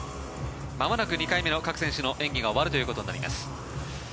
まもなく２回目の各選手の演技が終わるということになります。